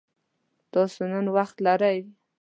تاسو نن وخت لری؟